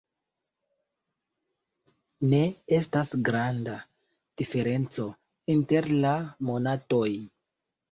Ne estas granda diferenco inter la monatoj.